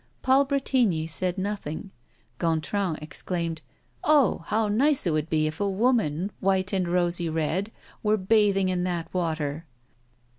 Paul Bretigny said nothing. Gontran exclaimed: "Oh! how nice it would be if a woman white and rosy red were bathing in that water!"